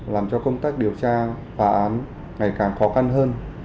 làm cho công tác điều tra phá án ngày càng khó khăn hơn